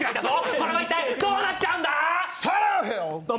これは一体どうなっちゃうんだ？